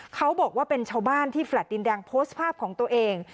เขาบอกว่าเป็นชาวบ้านที่แฟลต์ดินแดงโพสต์ภาพของตัวเอง